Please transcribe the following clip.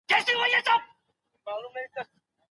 د دولتونو ترمنځ مادي همکاري د اړیکو بنسټ جوړوي.